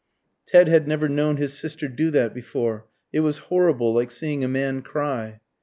Ted had never known his sister do that before. It was horrible, like seeing a man cry.